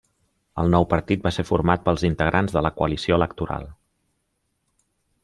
El nou partit va ser format pels integrants de la coalició electoral.